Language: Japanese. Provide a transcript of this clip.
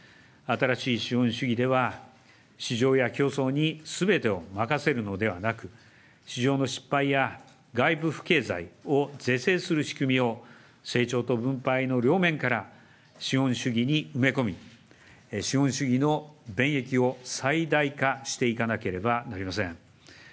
新しい資本主義では、市場や競争にすべてを任せるのではなく、市場の失敗や外部不経済を是正する仕組みを成長と分配の両面から資本主義に埋め込み、資本主義の便益を最大化していかなければなりません。